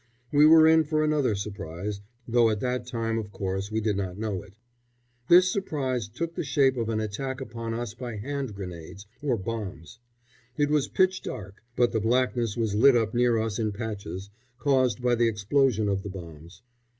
We were in for another surprise, though at that time, of course, we did not know it. This surprise took the shape of an attack upon us by hand grenades, or bombs. It was pitch dark; but the blackness was lit up near us in patches, caused by the explosion of the bombs.